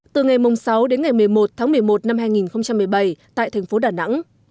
từ ngày sáu một mươi một một mươi một hai nghìn một mươi bảy tại thành phố đà nẵng